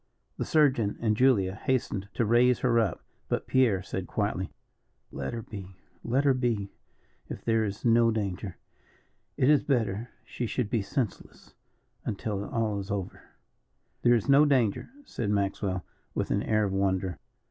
The surgeon and Julia hastened to raise her up, but Pierre said quietly: "Let her be let her be if there is no danger. It is better she should be senseless until all is over." "There is no danger," said Maxwell, with an air of wonder.